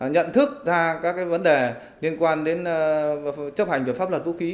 nhận thức ra các vấn đề liên quan đến chấp hành về pháp luật vũ khí